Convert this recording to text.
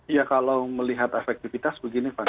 ya kalau melihat efektivitas begini pak